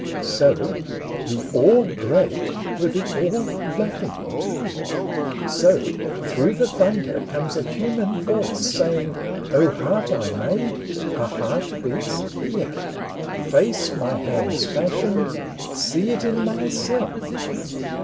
So, the All Great, were the All Loving too — So, through the thunder comes a human voice Saying, " O heart I made, a heart beats here ! "Face, my hands fashioned, see it in myself!